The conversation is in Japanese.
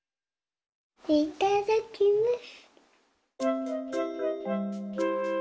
いただきます。